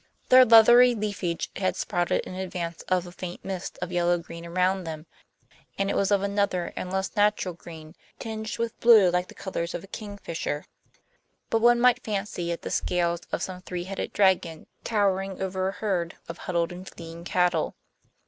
Their leathery leafage had sprouted in advance of the faint mist of yellow green around them, and it was of another and less natural green, tinged with blue, like the colors of a kingfisher. But one might fancy it the scales of some three headed dragon towering over a herd of huddled and fleeing cattle.